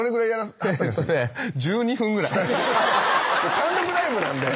単独ライブなんで。